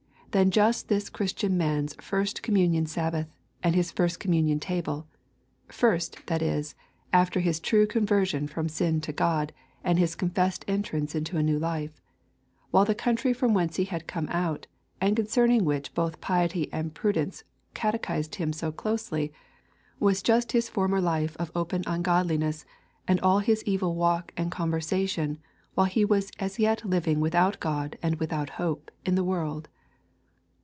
than just this Christian man's first communion Sabbath and his first communion table (first, that is, after his true conversion from sin to God and his confessed entrance into a new life), while the country from whence he had come out, and concerning which both Piety and Prudence catechised him so closely, was just his former life of open ungodliness and all his evil walk and conversation while he was as yet living without God and without hope in the world.